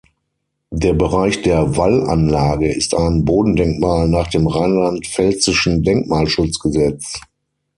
Der Bereich der Wallanlage ist ein Bodendenkmal nach dem Rheinland-Pfälzischen Denkmalschutzgesetz.